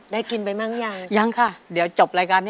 ได้กินไปบ้างยังยังค่ะเดี๋ยวจบรายการนี้